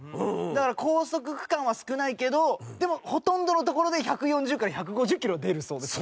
だから、高速区間は少ないけどでも、ほとんどのところで１４０から１５０ｋｍ出るそうです。